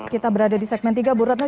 kita berada di segmen tiga